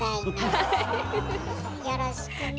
よろしくね。